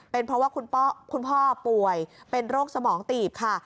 เป็นเพราะว่าคุณพ่อป่วยเป็นโรคสมองตีบค่ะ